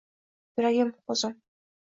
Yuragim, qo’zim.